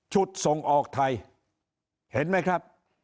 ชุดทรงออกไทยเห็นมั้ยครับ